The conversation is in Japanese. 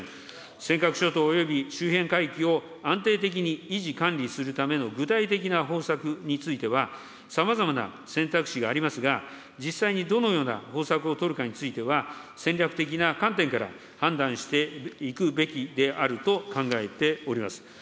尖閣諸島および周辺海域を安定的に維持管理するための具体的な方策については、さまざまな選択肢がありますが、実際にどのような方策を取るかについては、戦略的な観点から判断していくべきであると考えております。